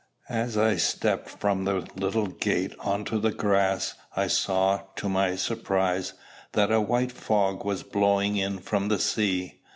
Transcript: As I stepped from the little gate on to the grass, I saw, to my surprise, that a white fog was blowing in from the sea.